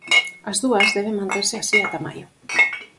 As dúas deben manterse así ata maio.